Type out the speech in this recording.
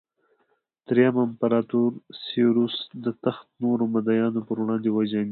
درېیم امپراتور سېوروس د تخت نورو مدعیانو پر وړاندې وجنګېد